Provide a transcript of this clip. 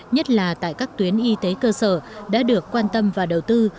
nhất là tại các tuyến y tế cơ sở đã được quan tâm và đầu tư